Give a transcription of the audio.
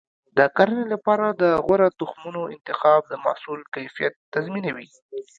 د کرنې لپاره د غوره تخمونو انتخاب د محصول کیفیت تضمینوي.